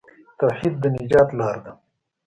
توحید د نجات لار ده.